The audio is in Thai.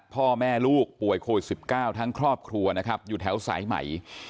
พ่อแม่ลูกป่วยโควิด๑๙ทั้งครอบครัวนะครับอยู่แถวสายใหม่